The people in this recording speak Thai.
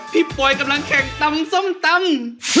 ปอยกำลังแข่งตำส้มตำ